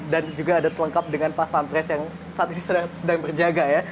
dan juga ada telingkap dengan pasman pres yang saat ini sedang berjaga ya